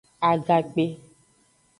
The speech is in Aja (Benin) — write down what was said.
Agakpe.